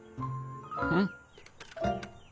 うん？